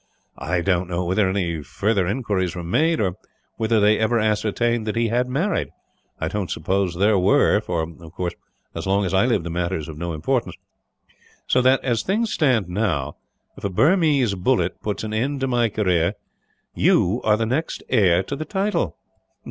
I don't know whether any further inquiries were made, or whether they ever ascertained that he had married. I don't suppose there were for, of course, as long as I live the matter is of no importance. "So that, as things stand now, if a Burmese bullet puts an end to my career, you are the next heir to the title."